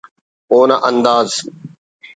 اونا انداز